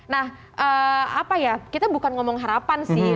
nah apa ya kita bukan ngomong harapan sih